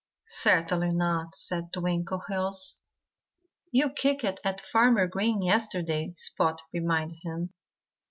"Certainly not!" said Twinkleheels. "You kicked at Farmer Green yesterday," Spot reminded him.